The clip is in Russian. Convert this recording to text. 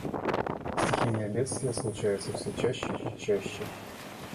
Стхийные бедствия случаются все чаще и чаще.